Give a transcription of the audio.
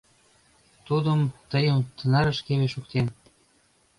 Тудо тыйым тынарышкеве шуктен.